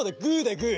グー？